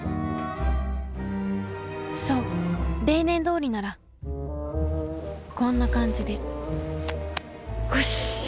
そう例年どおりならこんな感じでうっし！